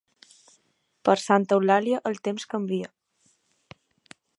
Per Santa Eulàlia el temps canvia.